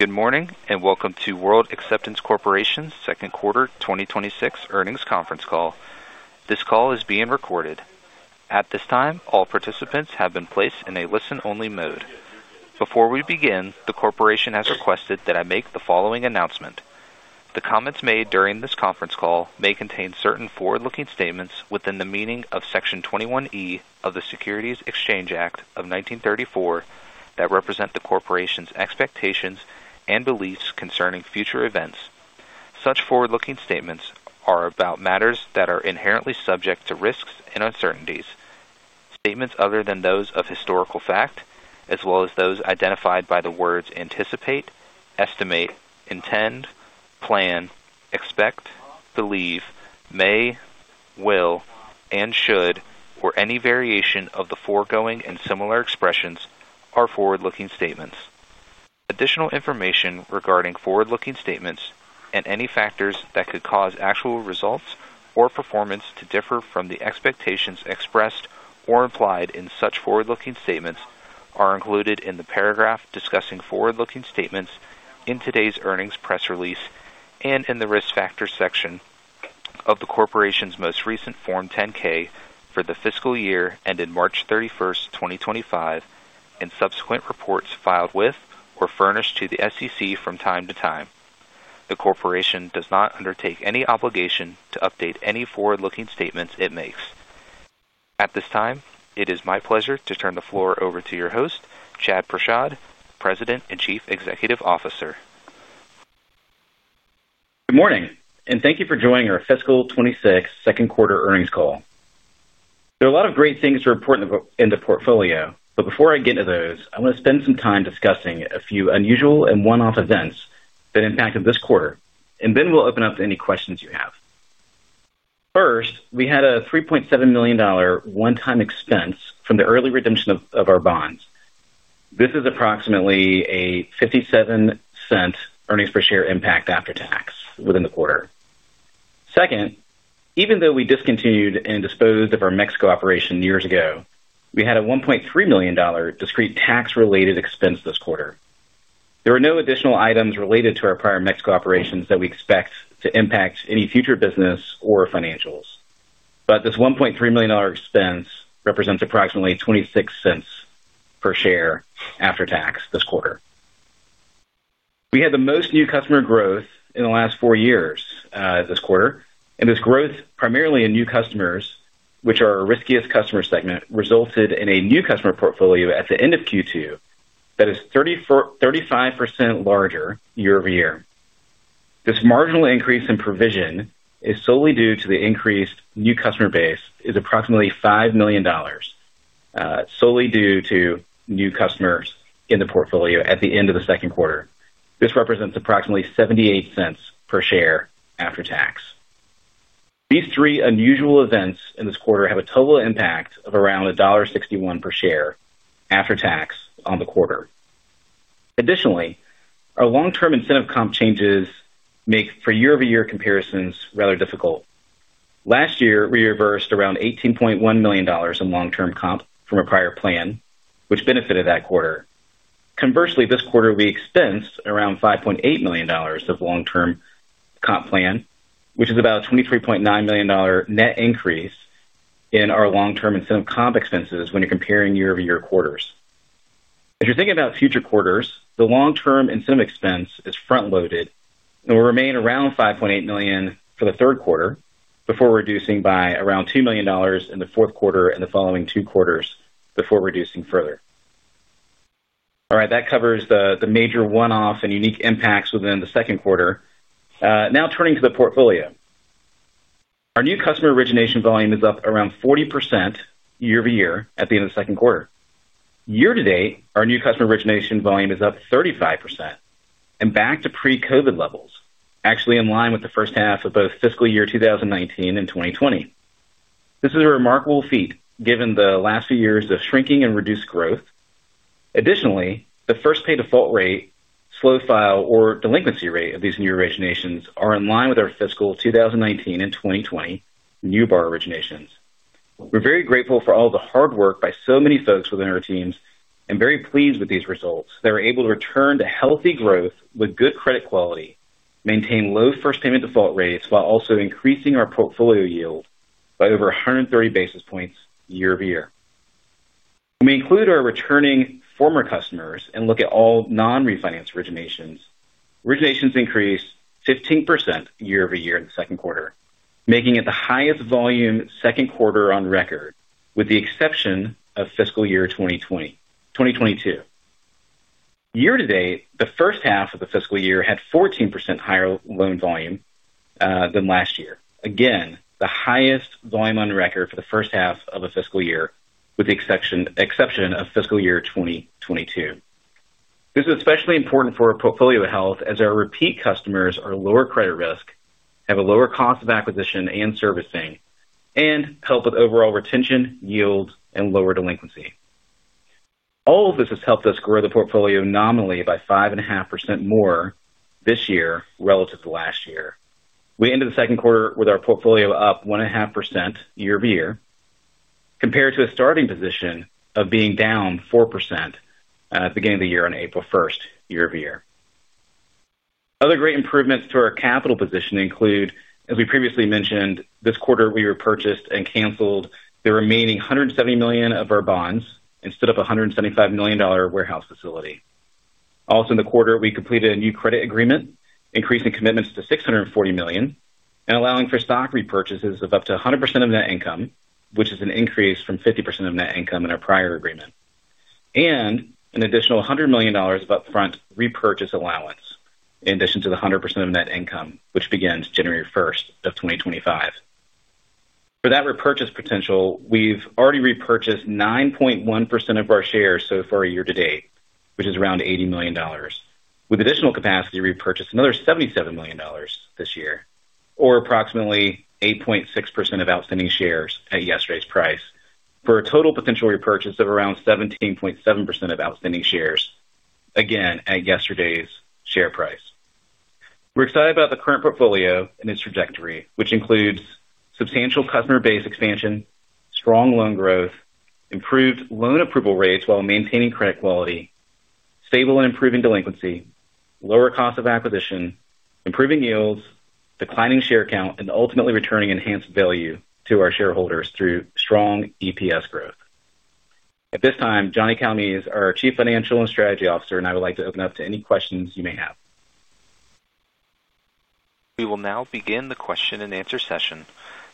Good morning and welcome to World Acceptance Corporation's second quarter 2026 earnings conference call. This call is being recorded. At this time, all participants have been placed in a listen-only mode. Before we begin, the corporation has requested that I make the following announcement. The comments made during this conference call may contain certain forward-looking statements within the meaning of Section 21E of the Securities Exchange Act of 1934 that represent the corporation's expectations and beliefs concerning future events. Such forward-looking statements are about matters that are inherently subject to risks and uncertainties. Statements other than those of historical fact, as well as those identified by the words anticipate, estimate, intend, plan, expect, believe, may, will, and should, or any variation of the foregoing and similar expressions, are forward-looking statements. Additional information regarding forward-looking statements and any factors that could cause actual results or performance to differ from the expectations expressed or implied in such forward-looking statements are included in the paragraph discussing forward-looking statements in today's earnings press release and in the risk factors section of the corporation's most recent Form 10-K for the fiscal year ended March 31st, 2025, and subsequent reports filed with or furnished to the SEC from time to time. The corporation does not undertake any obligation to update any forward-looking statements it makes. At this time, it is my pleasure to turn the floor over to your host, Chad Prashad, President and Chief Executive Officer. Good morning, and thank you for joining our fiscal 2026 second quarter earnings call. There are a lot of great things to report in the portfolio, but before I get to those, I want to spend some time discussing a few unusual and one-off events that impacted this quarter, and then we'll open up to any questions you have. First, we had a $3.7 million one-time expense from the early redemption of our bonds. This is approximately a $0.57 earnings per share impact after tax within the quarter. Second, even though we discontinued and disposed of our Mexico operations years ago, we had a $1.3 million discrete tax-related expense this quarter. There are no additional items related to our prior Mexico operations that we expect to impact any future business or financials, but this $1.3 million expense represents approximately $0.26 per share after tax this quarter. We had the most new customer growth in the last four years this quarter, and this growth, primarily in new customers, which are our riskiest customer segment, resulted in a new customer portfolio at the end of Q2 that is 35% larger year-over-year. This marginal increase in provision is solely due to the increased new customer base, is approximately $5 million, solely due to new customers in the portfolio at the end of the second quarter. This represents approximately $0.78 per share after tax. These three unusual events in this quarter have a total impact of around $1.61 per share after tax on the quarter. Additionally, our long-term incentive compensation changes make for year-over-year comparisons rather difficult. Last year, we reversed around $18.1 million in long-term compensation from a prior plan, which benefited that quarter. Conversely, this quarter we expense around $5.8 million of long-term compensation plan, which is about a $23.9 million net increase in our long-term incentive compensation expenses when you're comparing year-over-year quarters. If you're thinking about future quarters, the long-term incentive expense is front-loaded and will remain around $5.8 million for the third quarter before reducing by around $2 million in the fourth quarter and the following two quarters before reducing further. All right, that covers the major one-off and unique impacts within the second quarter. Now turning to the portfolio, our new customer origination volume is up around 40% year-over-year at the end of the second quarter. Year to date, our new customer origination volume is up 35% and back to pre-COVID levels, actually in line with the first half of both fiscal year 2019 and 2020. This is a remarkable feat given the last few years of shrinking and reduced growth. Additionally, the first payment default rate, slow file, or delinquency rate of these new originations are in line with our fiscal 2019 and 2020 new borrower originations. We're very grateful for all the hard work by so many folks within our teams and very pleased with these results that are able to return to healthy growth with good credit quality, maintain low first payment default rates while also increasing our portfolio yield by over 130 basis points year-over-year. When we include our returning former customers and look at all non-refinance originations, originations increased 15% year-over-year in the second quarter, making it the highest volume second quarter on record with the exception of fiscal year 2022. Year to date, the first half of the fiscal year had 14% higher loan volume than last year. Again, the highest volume on record for the first half of a fiscal year with the exception of fiscal year 2022. This is especially important for our portfolio health as our repeat customers are lower credit risk, have a lower cost of acquisition and servicing, and help with overall retention, yield, and lower delinquency. All of this has helped us grow the portfolio nominally by 5.5% more this year relative to last year. We ended the second quarter with our portfolio up 1.5% year-over-year compared to a starting position of being down 4% at the beginning of the year on April 1st, year-over-year. Other great improvements to our capital position include, as we previously mentioned, this quarter we repurchased and canceled the remaining $170 million of our bonds instead of a $175 million warehouse facility. Also, in the quarter, we completed a new credit agreement, increasing commitments to $640 million and allowing for stock repurchases of up to 100% of net income, which is an increase from 50% of net income in our prior agreement, and an additional $100 million of upfront repurchase allowance in addition to the 100% of net income, which begins January 1st, 2025. For that repurchase potential, we've already repurchased 9.1% of our shares so far year to date, which is around $80 million, with additional capacity to repurchase another $77 million this year, or approximately 8.6% of outstanding shares at yesterday's price for a total potential repurchase of around 17.7% of outstanding shares, again, at yesterday's share price. We're excited about the current portfolio and its trajectory, which includes substantial customer base expansion, strong loan growth, improved loan approval rates while maintaining credit quality, stable and improving delinquency, lower cost of acquisition, improving yields, declining share count, and ultimately returning enhanced value to our shareholders through strong EPS growth. At this time, Johnny Calmes is our Chief Financial and Strategy Officer, and I would like to open up to any questions you may have. We will now begin the question-and-answer session.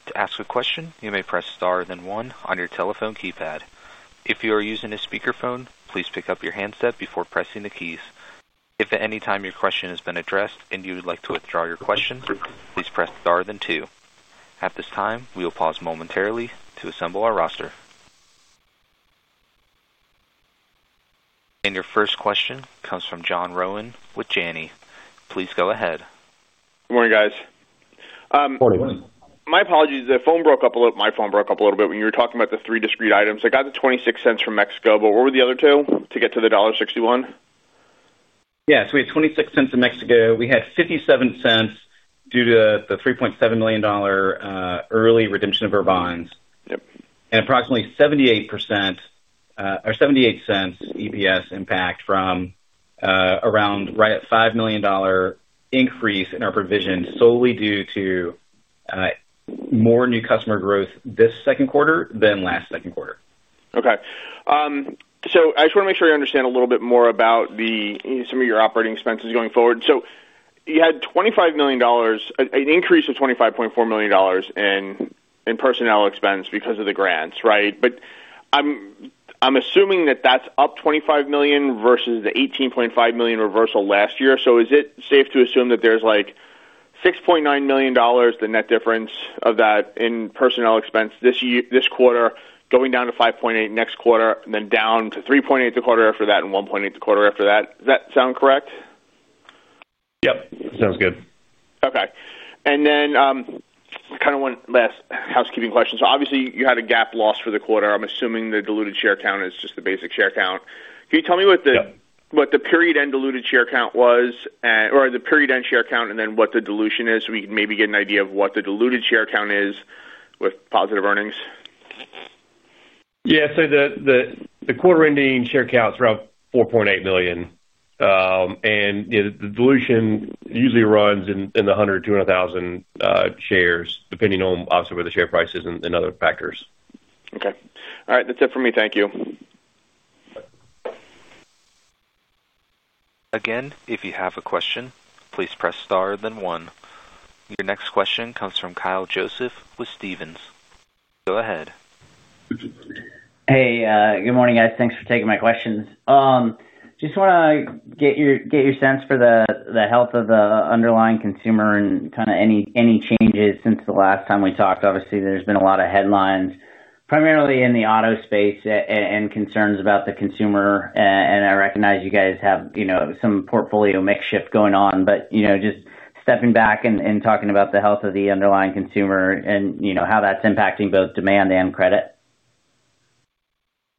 To ask a question, you may press star and then one on your telephone keypad. If you are using a speakerphone, please pick up your handset before pressing the keys. If at any time your question has been addressed and you would like to withdraw your question, please press star then two. At this time, we will pause momentarily to assemble our roster. Your first question comes from John Rowan with Janney. Please go ahead. Good morning, guys. Morning. My apologies, the phone broke up a little. My phone broke up a little bit when you were talking about the three discrete items. I got the $0.26 from Mexico, but what were the other two to get to the $1.61? Yes, we had $0.26 in Mexico. We had $0.57 due to the $3.7 million early redemption of our bonds, and approximately $0.78 EPS impact from around right at $5 million increase in our provision solely due to more new customer growth this second quarter than last second quarter. Okay. I just want to make sure I understand a little bit more about some of your operating expenses going forward. You had $25 million, an increase of $25.4 million in personnel expense because of the grants, right? I'm assuming that that's up $25 million versus the $18.5 million reversal last year. Is it safe to assume that there's like $6.9 million, the net difference of that in personnel expense this quarter, going down to $5.8 million next quarter, then down to $3.8 million the quarter after that, and $1.8 million the quarter after that? Does that sound correct? Yep, sounds good. Okay. I have one last housekeeping question. Obviously, you had a GAAP loss for the quarter. I'm assuming the diluted share count is just the basic share count. Can you tell me what the period end diluted share count was or the period end share count, and then what the dilution is so we can maybe get an idea of what the diluted share count is with positive earnings? The quarter ending share count is around 4.8 million, and the dilution usually runs in the 100,000-200,000 shares depending on, obviously, where the share price is and other factors. Okay. All right. That's it for me. Thank you. Again, if you have a question, please press star then one. Your next question comes from Kyle Joseph with Stephens. Go ahead. Hey, good morning, guys. Thanks for taking my questions. Just want to get your sense for the health of the underlying consumer and kind of any changes since the last time we talked. Obviously, there's been a lot of headlines, primarily in the auto space, and concerns about the consumer. I recognize you guys have some portfolio makeshift going on, but just stepping back and talking about the health of the underlying consumer and how that's impacting both demand and credit.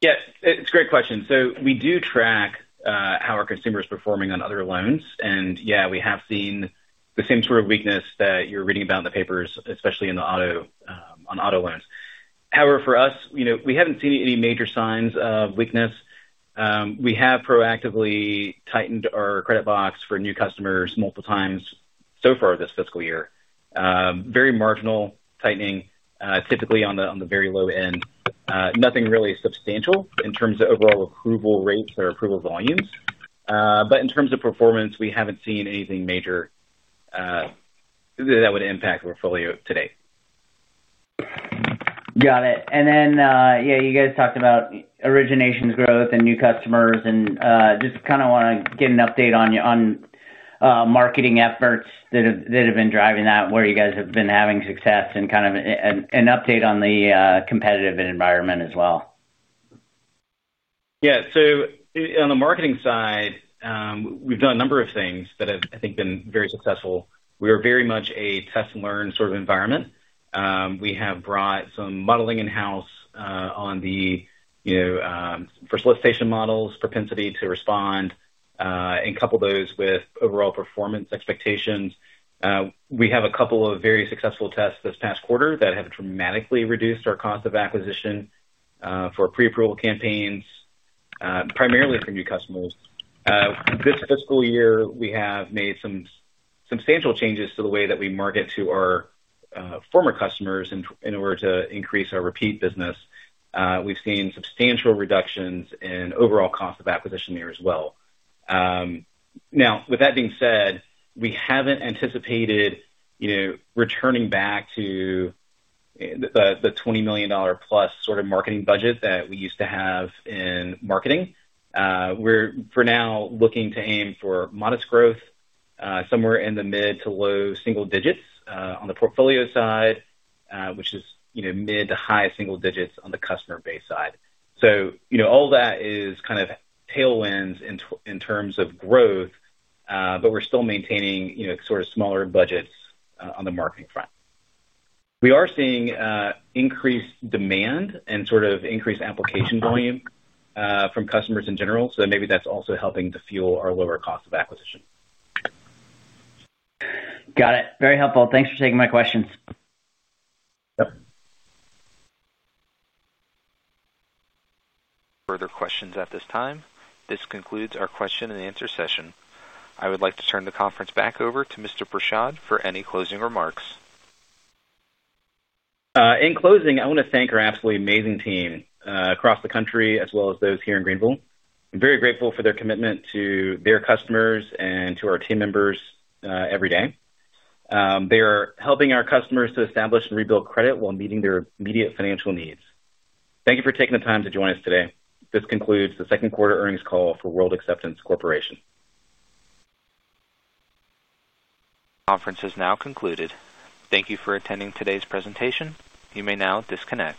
Yeah, it's a great question. We do track how our consumer is performing on other loans, and yeah, we have seen the same sort of weakness that you're reading about in the papers, especially on auto loans. However, for us, we haven't seen any major signs of weakness. We have proactively tightened our credit box for new customers multiple times so far this fiscal year. Very marginal tightening, typically on the very low end. Nothing really substantial in terms of overall approval rates or approval volumes. In terms of performance, we haven't seen anything major that would impact the portfolio today. Got it. You guys talked about origination growth and new customers and just kind of want to get an update on marketing efforts that have been driving that, where you guys have been having success and kind of an update on the competitive environment as well. Yeah. On the marketing side, we've done a number of things that have, I think, been very successful. We are very much a test and learn sort of environment. We have brought some modeling in-house on the solicitation model's propensity to respond and couple those with overall performance expectations. We have a couple of very successful tests this past quarter that have dramatically reduced our cost of acquisition for pre-approval campaigns, primarily for new customers. This fiscal year, we have made some substantial changes to the way that we market to our former customers in order to increase our repeat business. We've seen substantial reductions in overall cost of acquisition there as well. With that being said, we haven't anticipated returning back to the $20+ million sort of marketing budget that we used to have in marketing. We're, for now, looking to aim for modest growth, somewhere in the mid to low single digits on the portfolio side, which is mid to high single digits on the customer base side. All of that is kind of tailwinds in terms of growth, but we're still maintaining sort of smaller budgets on the marketing front. We are seeing increased demand and sort of increased application volume from customers in general. Maybe that's also helping to fuel our lower cost of acquisition. Got it. Very helpful. Thanks for taking my questions. Yep. Further questions at this time. This concludes our question-and-answer session. I would like to turn the conference back over to Mr. Prashad for any closing remarks. In closing, I want to thank our absolutely amazing team across the country, as well as those here in Greenville. I'm very grateful for their commitment to their customers and to our team members every day. They are helping our customers to establish and rebuild credit while meeting their immediate financial needs. Thank you for taking the time to join us today. This concludes the second quarter earnings call for World Acceptance Corporation. Conference is now concluded. Thank you for attending today's presentation. You may now disconnect.